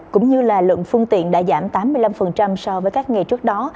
cũng như lượng phương tiện đã giảm tám mươi năm so với các ngày trước đó